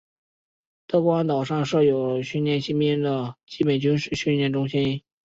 德光岛上设有训练新兵的基本军事训练中心。